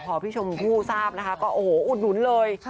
พอพี่ชมพู่ทราบนะคะก็โอ้โหอุดหนุนเลย